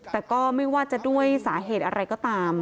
แต่ก็ไม่ว่าจะด้วยสาเหตุอะไรก็ตาม